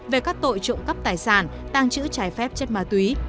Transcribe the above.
về các tội trộm cấp tài sản tăng chữ trái phép chất ma túy